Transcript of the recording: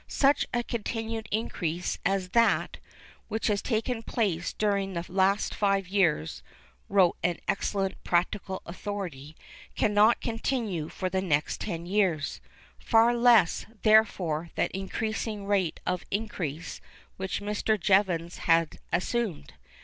'Such a continued increase as that, which has taken place during the last five years,' wrote an excellent practical authority, 'cannot continue for the next ten years,'—far less, therefore, that increasing rate of increase which Mr. Jevons had assumed.